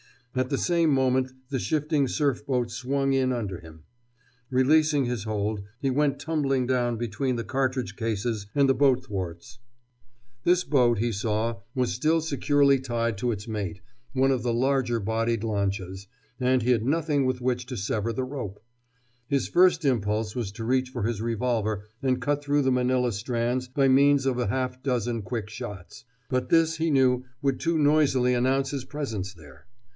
At the same moment the shifting surf boat swung in under him. Releasing his hold, he went tumbling down between the cartridge cases and the boat thwarts. This boat, he saw, was still securely tied to its mate, one of the larger bodied lanchas, and he had nothing with which to sever the rope. His first impulse was to reach for his revolver and cut through the manilla strands by means of a half dozen quick shots. But this, he knew, would too noisily announce his presence there.